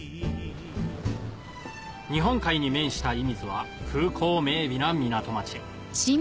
日本海に面した射水は風光明媚な港町